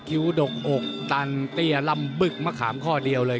ดกอกตันเตี้ยลำบึกมะขามข้อเดียวเลย